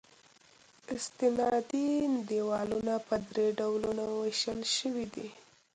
استنادي دیوالونه په درې ډولونو ویشل شوي دي